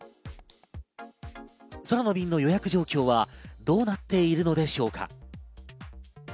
空の便の予約状況はどうなっているのでしょうか？